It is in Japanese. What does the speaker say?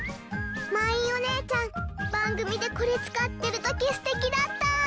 まいんおねえちゃんばんぐみでこれつかってるときすてきだった！